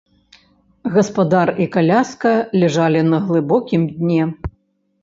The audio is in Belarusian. Гаспадар і каляска ляжалі на глыбокім дне.